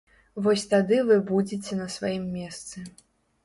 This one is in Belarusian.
Вось тады вы будзеце на сваім месцы.